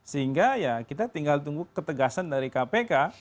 sehingga ya kita tinggal tunggu ketegasan dari kpk